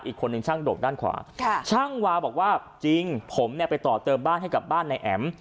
อีกคนนึงช่างดกด้านขวาช่างวาบอกว่าจริงผมเนี่ยไปต่อเติมบ้านให้กับบ้านนายแอ๋ม